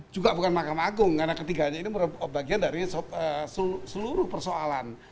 juga bukan makam agung karena ketiganya ini merupakan bagian dari seluruh perusahaan